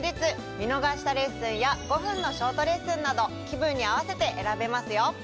見逃したレッスンや５分のショートレッスンなど気分に合わせて選べますよ。